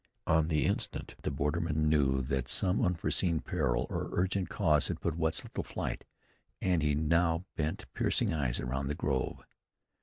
On the instant the borderman knew that some unforeseen peril or urgent cause had put Wetzel to flight, and he now bent piercing eyes around the grove.